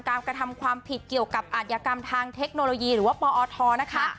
การทำความผิดกับอารยกรรมทางเทคโนโลยีหรือว่าพร